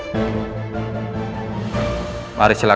di mana semuanya